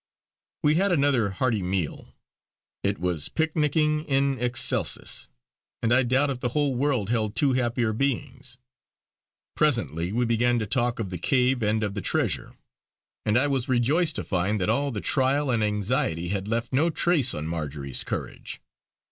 We had another hearty meal. It was pic nic ing in excelsis, and I doubt if the whole world held two happier beings. Presently we began to talk of the cave and of the treasure, and I was rejoiced to find that all the trial and anxiety had left no trace on Marjory's courage.